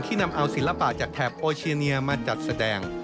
นำเอาศิลปะจากแถบโอเชียเนียมาจัดแสดง